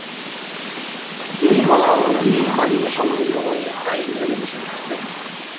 তিনি গলা অবধি বালিতে সমাহিত হয়ে, প্রায়ই ধ্যানে বসে থাকতেন।